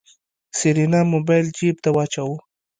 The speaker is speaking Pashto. سېرېنا موبايل جېب ته واچوه.